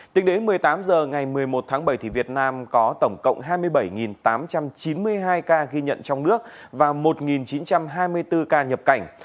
tính đến một mươi tám h ngày một mươi một tháng bảy việt nam có tổng cộng hai mươi bảy tám trăm chín mươi hai ca ghi nhận trong nước và một chín trăm hai mươi bốn ca nhập cảnh